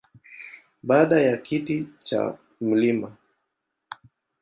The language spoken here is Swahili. Baada ya kiti cha Mt.